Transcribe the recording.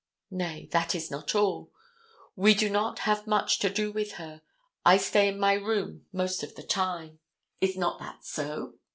Nay, that is not all—"We do not have much to do with her. I stay in my room most of the time." Is not that so?